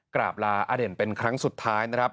กราบลาอเด่นเป็นครั้งสุดท้ายนะครับ